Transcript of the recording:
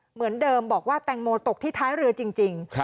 เหมือนเดิมบอกว่าแตงโมตกที่ท้ายเรือจริง